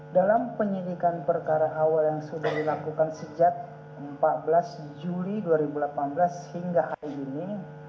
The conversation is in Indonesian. dalam penyidikan perkara awal yang sudah dilakukan sejak empat belas juli dua ribu delapan belas hingga hari ini